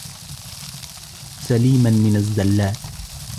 سَلِيمًا مِنْ الزَّلَّاتِ